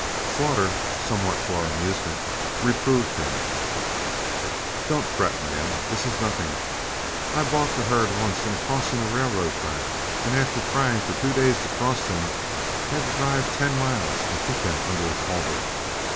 Slaughter, somewhat to our amusement, reproved him: "Don't fret, man; this is nothing, I balked a herd once in crossing a railroad track, and after trying for two days to cross them, had to drive ten miles and put them under a culvert.